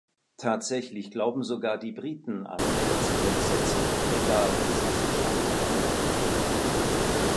Tatsächlich glauben sogar die Briten an Rechtsgrundsätze, egal, wie sie zustande kommen.